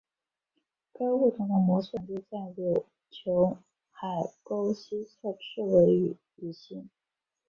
该物种的模式产地在琉球海沟西侧赤尾屿以西。